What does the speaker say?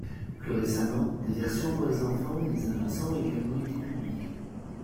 Plus récemment, des versions pour les enfants et les adolescents ont également été publiées.